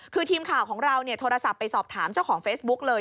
คือทีมข่าวของเราโทรศัพท์ไปสอบถามเจ้าของเฟซบุ๊กเลย